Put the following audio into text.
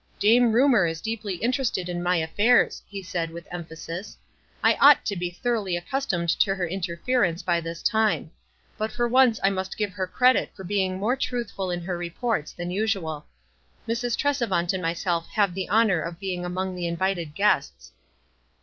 "Dame Rumor is deeply interested in my af fairs," he said, with emphasis. "I ought to be thoroughly accustomed to her interference by this time. But for once I must give her credit for being more truthful in her reports than usual. Mrs. Tresevant and myself have the honor of being 1 among the invited guests."